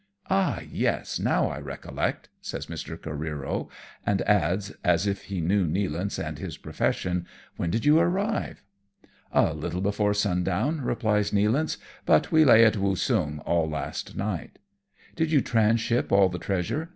" Ah, yes ! now I recollect," says Mr. Careero, and adds, as if he knew Nealance and his profession, " when did you arrive ?"" A little before sundown,^' replies Nealance, " but we lay at Woosung all last night." " Did you tranship all the treasure